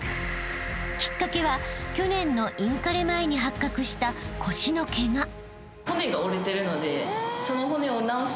［きっかけは去年のインカレ前に発覚した腰のケガ］